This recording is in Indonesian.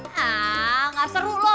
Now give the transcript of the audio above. nah gak seru lo